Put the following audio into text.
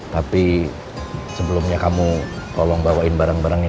tapi sebelumnya kamu tolong bawain barang barang ini